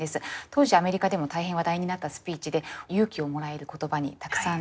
当時アメリカでも大変話題になったスピーチで勇気をもらえる言葉にたくさん出会えるスピーチなんです。